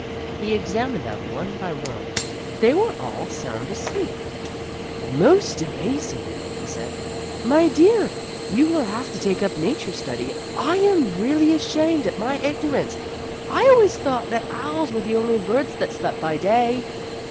He examined them one by one. They were all sound asleep. "Most amazing!" he said. "My dear, we will have to take up nature study. I am really ashamed of my ignorance. I always thought that owls were the only birds that slept by day."